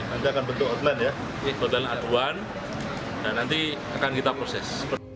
nanti akan bentuk aduan dan nanti akan kita proses